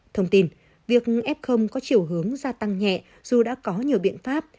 thông tin việc f có chiều hướng gia tăng nhẹ dù đã có nhiều biện pháp